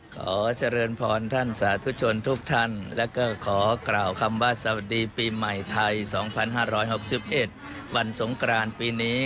ขอเจริญพรท่านสาธุชนทุกท่านแล้วก็ขอกล่าวคำว่าสวัสดีปีใหม่ไทย๒๕๖๑วันสงกรานปีนี้